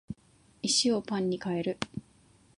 石をパンに変える